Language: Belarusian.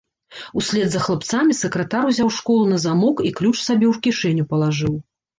Услед за хлапцамі сакратар узяў школу на замок і ключ сабе ў кішэню палажыў.